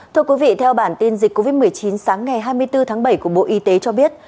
thưa quý vị theo bản tin dịch covid một mươi chín sáng ngày hai mươi bốn tháng bảy của bộ y tế cho biết